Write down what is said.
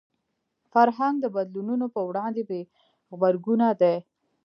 فرهنګ د بدلونونو پر وړاندې بې غبرګونه دی